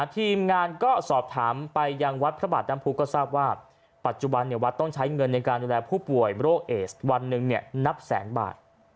ทีมงานก็สอบถามไปยังวัดพระบาทน้ำพุก็ทราบว่าปัจจุบันวัดต้องใช้เงินในการดูแลผู้ป่วยโรคเอสวันหนึ่งนับแสนบาท